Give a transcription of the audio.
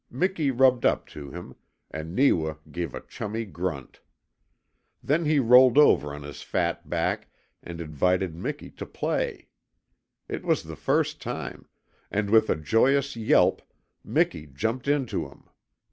Miki rubbed up to him, and Neewa gave a chummy grunt. Then he rolled over on his fat back and invited Miki to play. It was the first time; and with a joyous yelp Miki jumped into him.